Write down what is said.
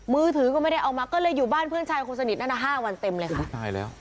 มือถือก็ไม่ได้เอามาก็เลยอยู่บ้านเพื่อนชายคนสนิทนั่นน่ะห้าวันเต็มเลยค่ะตายแล้ว